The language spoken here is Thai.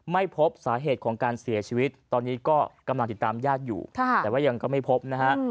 ไม่พบสาเหตุของการเสียชีวิตตอนนี้ก็กำลังติดตามญาติอยู่แต่ว่ายังก็ไม่พบนะฮะ